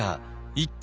一体